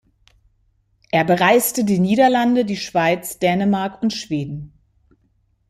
Er bereiste die Niederlande, die Schweiz, Dänemark und Schweden.